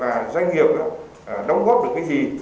và doanh nghiệp đóng góp được cái gì